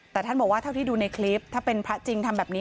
แต่ท่านบอกว่าเท่าที่ดูในคลิปถ้าเป็นพระจริงทำแบบนี้